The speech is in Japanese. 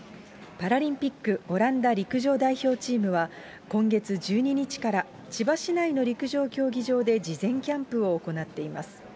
パラリンピックオランダ陸上代表チームは、今月１２日から、千葉市内の陸上競技場で事前キャンプを行っています。